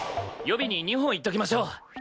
予備に２本いっときましょう。